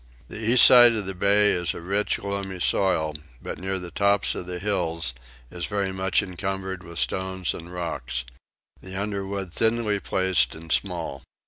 The east side of the bay is a rich loamy soil; but near the tops of the hills is very much encumbered with stones and rocks: the underwood thinly placed and small.